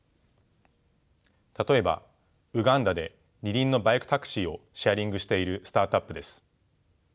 例えばウガンダで二輪のバイクタクシーをシェアリングしているスタートアップです。